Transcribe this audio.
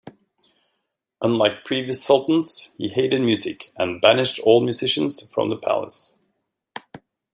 Unlike previous Sultans, he hated music, and banished all musicians from the palace.